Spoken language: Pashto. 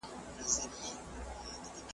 ستونزي د حل لپاره دي نه د نا امیدۍ لپاره.